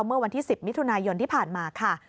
เมื่อวันที่๑๐มิถุนายนที่ผ่านมาค่ะ